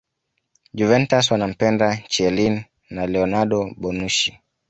Juventus wanampenda Chielin na Leonardo Bonucci